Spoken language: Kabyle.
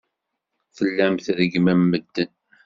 Tellam treggmem medden.